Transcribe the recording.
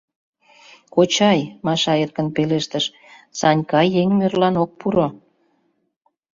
— Кочай, — Маша эркын пелештыш, — Санька еҥ мӧрлан ок пуро.